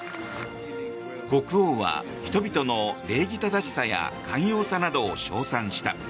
国王は人々の礼儀正しさや寛容さなどを称賛した。